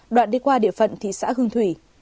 đoạn đi qua địa phận thị xã hương thủy